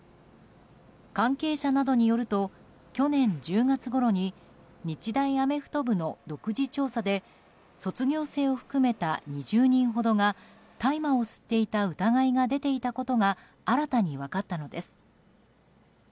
関係者などによると去年１０月ごろに日大アメフト部の独自調査で卒業生を含めた２０人ほどが大麻を吸っていた疑いが出ていたことが新たに分かったのです。